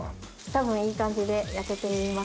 多分いい感じで焼けています。